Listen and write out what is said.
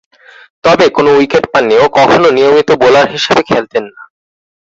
তবে কোন উইকেট পাননি ও কখনো নিয়মিত বোলার হিসেবে খেলতেন না।